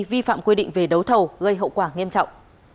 vi phạm quy định về đấu thầu gây hậu quả nghiêm trọng